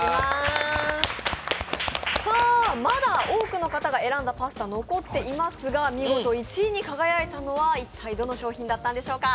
まだ多くの方が選んだパスタ、残っていますが見事１位に輝いたのは、一体どの商品だったのでしょうか。